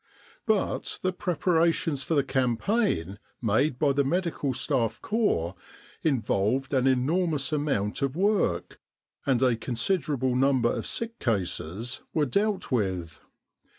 But the preparations for the campaign made by the Medical Staff Corps involved an enormous amount of work, and a considerable number of sick cases were dealt with.